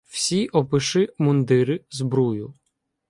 Всі опиши мундири, збрую